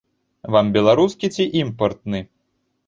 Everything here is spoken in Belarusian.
Вам беларускі ці імпартны?